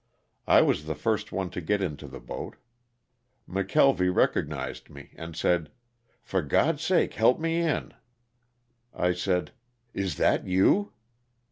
I was the first one to get into the boat. McKelvy recognized me and said: "For God's sake, help me in." I said: '^Is that you?"